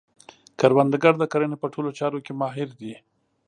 کروندګر د کرنې په ټولو چارو کې ماهر دی